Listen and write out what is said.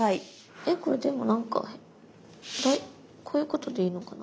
えこれでもなんかこういうことでいいのかな？